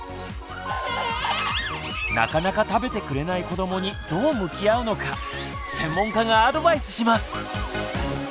なかなか食べてくれない子どもにどう向き合うのか専門家がアドバイスします。